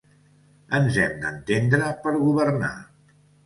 Ens hem d’entendre per governar.